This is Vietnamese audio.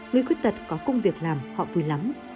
người khuyết tật có công việc làm họ vui lắm